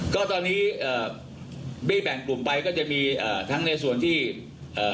ก็ตอนนี้เอ่อบี้แบ่งกลุ่มไปก็จะมีอ่าทั้งในส่วนที่เอ่อ